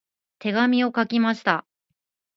手紙を書きました。